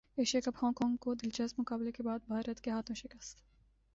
Asia cup Hong Kong کو دلچسپ مقابلے کے بعد بھارت کے ہاتھوں شکست